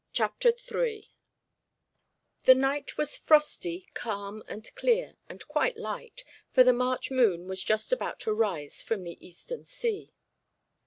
CHAPTER III The night was frosty, calm, and clear, and quite light, for the March moon was just about to rise from the eastern sea.